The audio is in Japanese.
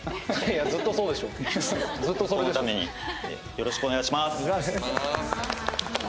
よろしくお願いします。